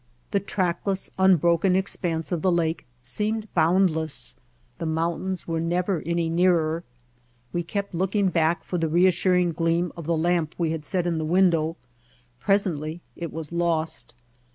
The trackless, un broken expanse of the lake seemed boundless, the mountains were never any nearer. We kept looking back for the reassuring gleam of the lamp we had set in the window; presently it was lost.